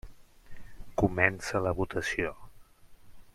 Comença la votació.